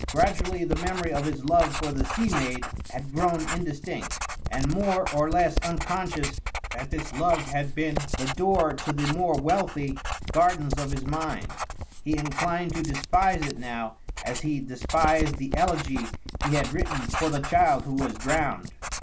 Gradually the memory of his love for the sea maid had grown indistinct; and, more or less unconscious that this love had been the door to the more wealthy gardens of his mind, he inclined to despise it now as he despised the elegy he had written for the child who was drowned.